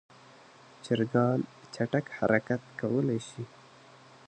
چرګان چټک حرکت کولی شي.